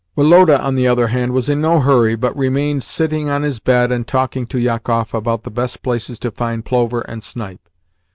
Woloda, on the other hand, was in no hurry, but remained sitting on his bed and talking to Jakoff about the best places to find plover and snipe.